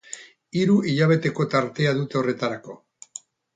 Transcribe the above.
Hiru hilabeteko tartea dute horretarako.